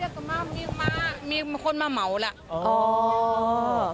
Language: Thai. ก็เรียกว่ามีคนมาเหมาแล้ว